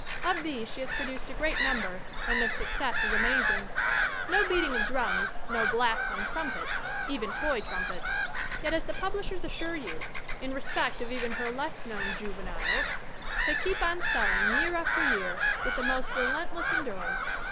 Of these she has produced a great number and their success is amazing. No beating of drums, no blasts on trumpets, even toy trumpets : yet as the pub lishers assure you, in respect of even her less known "juveniles," they keep on selling, year after year, with the most relentless endurance.